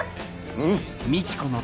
うん！